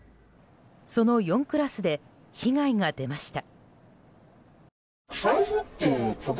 その４クラスで被害が出ました。